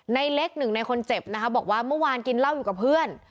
ในเล็กหนึ่งในคนเจ็บนะคะบอกว่าเมื่อวานกินเหล้าอยู่กับเพื่อน